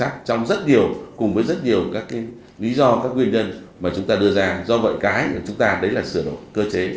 các lý do các nguyên nhân mà chúng ta đưa ra do vậy cái chúng ta đấy là sửa đổi cơ chế